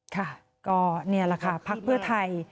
ค่ะก็นี่แหละค่ะพักเพื่อไทย